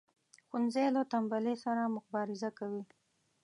ښوونځی له تنبلی سره مبارزه کوي